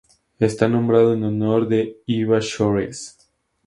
Está nombrado en honor de Iva Shores.